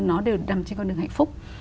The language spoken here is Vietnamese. nó đều nằm trên con đường hạnh phúc